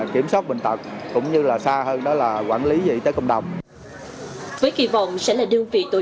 kiểm soát bệnh tật cũng như là xa hơn đó là quản lý vị tế công đồng với kỳ vọng sẽ là đơn vị tổ